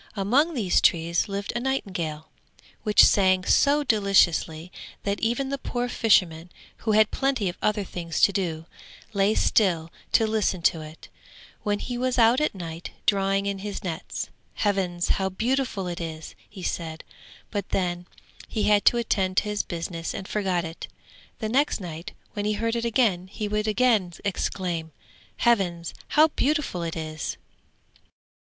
Among these trees lived a nightingale, which sang so deliciously, that even the poor fisherman, who had plenty of other things to do, lay still to listen to it, when he was out at night drawing in his nets. 'Heavens, how beautiful it is!' he said, but then he had to attend to his business and forgot it. The next night when he heard it again he would again exclaim, 'Heavens, how beautiful it is!'